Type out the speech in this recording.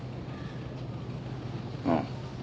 ああ。